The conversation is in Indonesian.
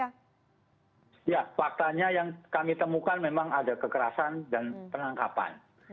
ya faktanya yang kami temukan memang ada kekerasan dan penangkapan